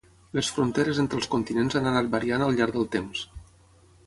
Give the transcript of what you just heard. Les fronteres entre els continents han anat variant al llarg del temps.